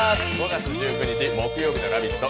５月１９日木曜日の「ラヴィット！」